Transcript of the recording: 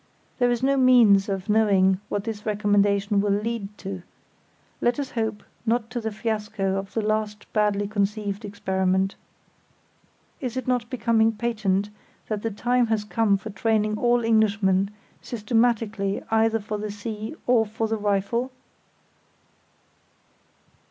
There is no means of knowing what this recommendation will lead to; let us hope not to the fiasco of the last badly conceived experiment. Is it not becoming patent that the time has come for training all Englishmen systematically either for the sea or for the rifle?